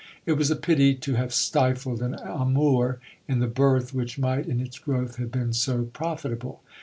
It was a pity to have stifled an amour in the birth which might in its growth have been so pro fitable.